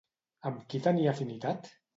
Amb qui tenia afinitat?